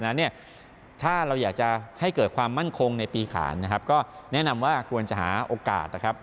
นั้นเนี่ยถ้าเราอยากจะให้เกิดความมั่นคงในปีขานนะครับก็แนะนำว่าควรจะหาโอกาสนะครับ